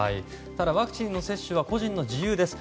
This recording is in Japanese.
ただ、ワクチンの接種は個人の自由です。